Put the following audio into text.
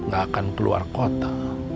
gak akan keluar kota